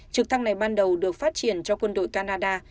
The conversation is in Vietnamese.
trực thăng này ban đầu được phát triển cho quân đội canada